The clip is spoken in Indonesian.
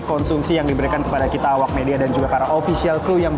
konsumsi yang diberikan kepada kita awak media dan juga karena itu kita bisa menjaga kembali ke dunia